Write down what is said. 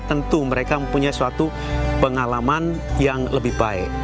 tentu mereka mempunyai suatu pengalaman yang lebih baik